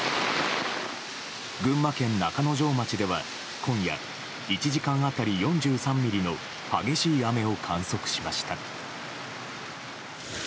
群馬県中之条町では今夜、１時間当たり４３ミリの激しい雨を観測しました。